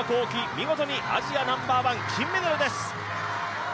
見事にアジアナンバーワン金メダルです。